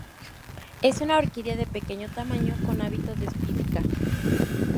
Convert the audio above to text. Es una orquídea de pequeño tamaño, con hábitos de epífita.